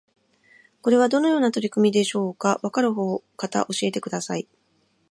これはどのような取り組みでしょうか？わかる方教えてください